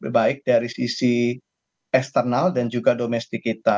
baik dari sisi eksternal dan juga domestik kita